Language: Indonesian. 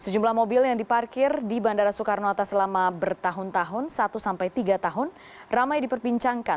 sejumlah mobil yang diparkir di bandara soekarno hatta selama bertahun tahun satu sampai tiga tahun ramai diperbincangkan